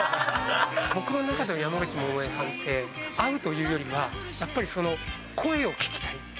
僕の中での山口百恵さんって、会うというよりは、やっぱりその声を聴きたい。